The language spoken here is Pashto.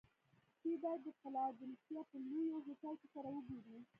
دوی باید د فلادلفیا په بلوویو هوټل کې سره و ګوري